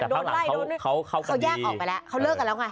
เขาแยกออกไปแล้วเขาเลิกกันแล้วไง